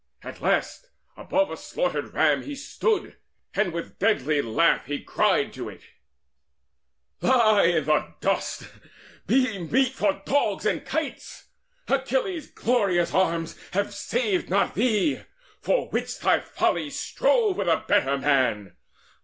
At last above a slaughtered ram he stood, And with a deadly laugh he cried to it: "Lie there in dust; be meat for dogs and kites! Achilles' glorious arms have saved not thee, For which thy folly strove with a better man!